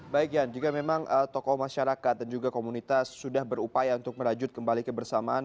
baik yan jika memang tokoh masyarakat dan juga komunitas sudah berupaya untuk merajut kembali kebersamaan